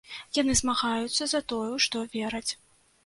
Яны змагаюцца за тое, у што вераць.